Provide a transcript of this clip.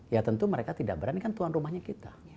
ya tentu mereka tidak berani kan tuan rumahnya kita